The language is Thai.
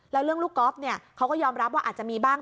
แล้วเรื่องลูกก๊อฟเนี่ยเขาก็ยอมรับว่าอาจจะมีบ้าง